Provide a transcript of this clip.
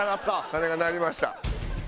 鐘が鳴りました。